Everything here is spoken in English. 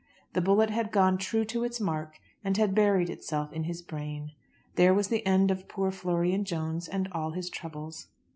The bullet had gone true to its mark and had buried itself in his brain. There was the end of poor Florian Jones and all his troubles.